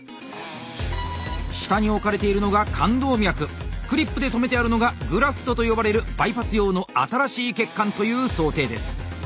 下に置かれているのが冠動脈クリップで止めてあるのがグラフトと呼ばれるバイパス用の新しい血管という想定です。